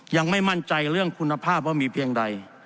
ยังไม่มั่นใจเรื่องคุณภาพว่ามีเพียงใด